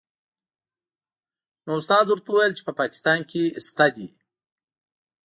نو استاد ورته وویل چې په پاکستان کې شته دې.